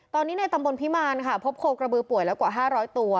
ตอนนี้ในตำบลพิมารค่ะพบโคกระบือป่วยแล้วกว่า๕๐๐ตัว